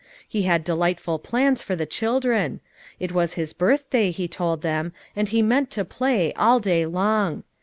He had delightful plans for the children. It was his birthday he told them and he meant to play, all day long.